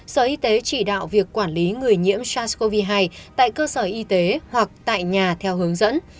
sở y tế chỉ đạo việc quản lý người nhiễm sars cov hai tại cơ sở y tế hoặc tại nhà theo hướng dẫn